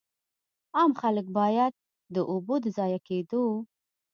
عام خلک باید د اوبو د ضایع کېدو.